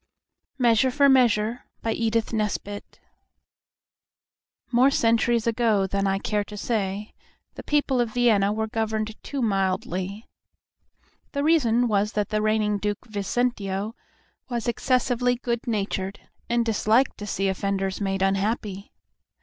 MEASURE FOR MEASURE More centuries ago than I care to say, the people of Vienna were governed too mildly. The reason was that the reigning Duke Vicentio was excessively good natured, and disliked to see offenders made unhappy.